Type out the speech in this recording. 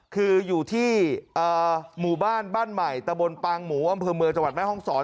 คืออยู่ที่หมู่บ้านบ้านใหม่ตะบนปางหมูอำเภอเมืองจังหวัดแม่ห้องศร